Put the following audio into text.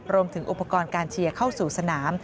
รวมถึงอุปกรณ์การเชียร์เข้าสู่สนาม